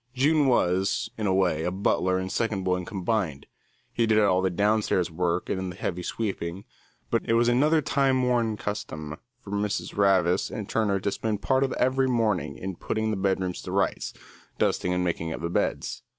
June was, in a way, butler and second boy combined; he did all the downstairs work and the heavy sweeping, but it was another time worn custom for Mrs. Ravis and Turner to spend part of every morning in putting the bedrooms to rights, dusting and making up the beds.